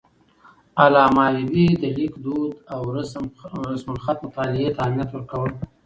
علامه حبيبي د لیک دود او رسم الخط مطالعې ته اهمیت ورکاوه.